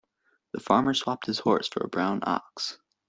The farmer swapped his horse for a brown ox.